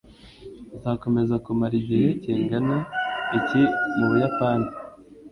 Azakomeza kumara igihe kingana iki mu Buyapani?